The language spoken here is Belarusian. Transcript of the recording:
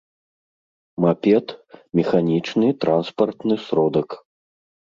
мапед — механічны транспартны сродак